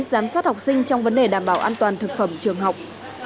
giám sát học sinh trong vấn đề đảm bảo an toàn thực phẩm trường học